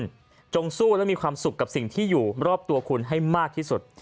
คุณจงสู้และมีความสุขกับสิ่งที่อยู่รอบตัวคุณให้มากที่สุด